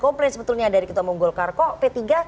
komplain sebetulnya dari ketua umum golkar kok p tiga